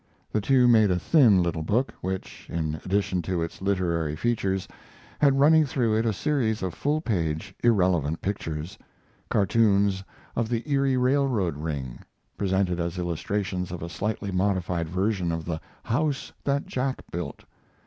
The two made a thin little book, which, in addition to its literary features, had running through it a series of full page, irrelevant pictures cartoons of the Erie Railroad Ring, presented as illustrations of a slightly modified version of "The House That Jack Built."